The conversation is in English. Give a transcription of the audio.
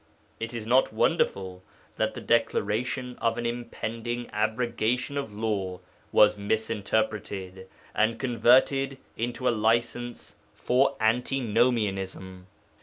It is not wonderful that the declaration of an impending abrogation of Law was misinterpreted, and converted into a licence for Antinomianism.